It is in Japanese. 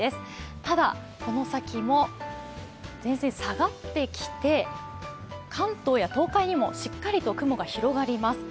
ただ、この先も前線が下がってきて関東や東海にもしっかりと雲が広がります。